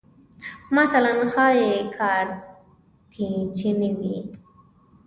مثلاً ښایي کارتیجني وې